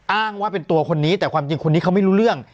อ้างว่าเป็นตัวคนนี้แต่ความจริงคนนี้เขาไม่รู้เรื่อง